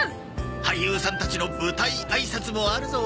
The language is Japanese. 俳優さんたちの舞台あいさつもあるぞ！